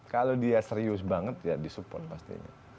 kalau dia serius banget ya di support pastinya